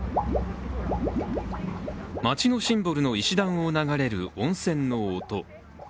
街のシンボルの石段を流れる温泉の音。